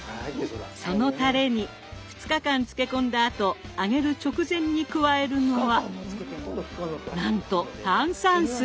そのたれに２日間漬け込んだあと揚げる直前に加えるのはなんと炭酸水。